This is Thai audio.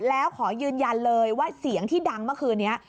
แล้วขอยืนยันเลยว่าเสียงที่ดังเมื่อคืนนี้